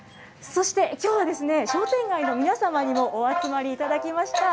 そして、きょうは商店街の皆様にもお集まりいただきました。